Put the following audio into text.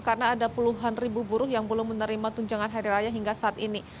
karena ada puluhan ribu buruh yang belum menerima tunjangan hari raya hingga saat ini